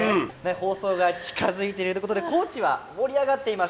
放送が近づいてるということで高知は盛り上がっています。